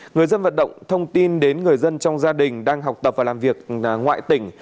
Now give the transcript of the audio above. người dân vận động thông tin đến người dân trong gia đình đang học tập và làm việc ngoại tỉnh